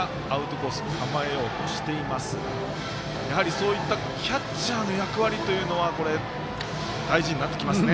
そういったキャッチャーの役割というのは大事になってきますね。